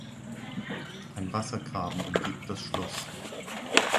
Ein Wassergraben umgibt das Schloss.